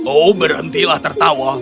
oh berhentilah tertawa